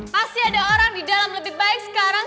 pasti ada orang di dalam lebih baik sekarang